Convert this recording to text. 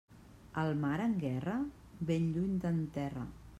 El mar en guerra?, ben lluny d'en terra.